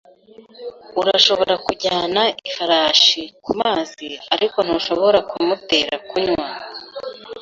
Urashobora kujyana ifarashi kumazi, ariko ntushobora kumutera kunywa.